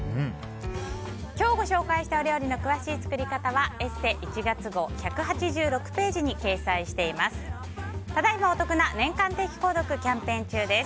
今日ご紹介した料理の詳しい作り方は「ＥＳＳＥ」１月号１８６ページに掲載しています。